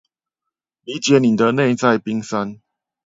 理解你的內在冰山